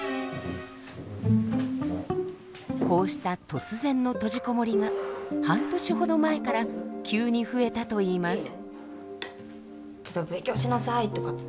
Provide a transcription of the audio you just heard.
こうした突然の閉じこもりが半年ほど前から急に増えたといいます。